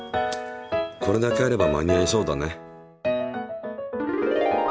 これだけあれば間に合いそうだね。